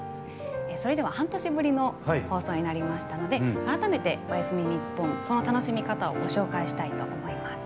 それでは、半年ぶりの放送になりましたので改めて「おやすみ日本」その楽しみ方をご紹介したいと思います。